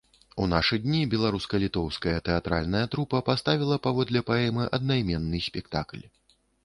У нашы дні беларуска-літоўская тэатральная трупа паставіла паводле паэмы аднайменны спектакль.